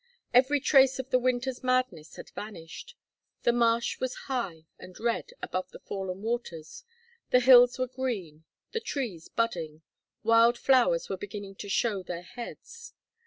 Every trace of the winter's madness had vanished. The marsh was high and red above the fallen waters, the hills were green, the trees budding, wild flowers were beginning to show their heads.